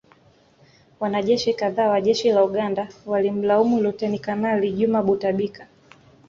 Wanajeshi kadhaa wa Jeshi la Uganda walimlaumu Luteni Kanali Juma Butabika